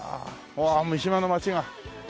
うわあ三島の街が。